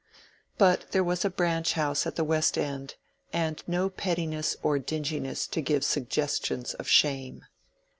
But there was a branch house at the west end, and no pettiness or dinginess to give suggestions of shame.